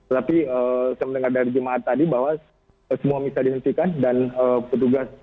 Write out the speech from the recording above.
tapi saya mendengar dari jemaat tadi bahwa semua bisa dihentikan dan petugas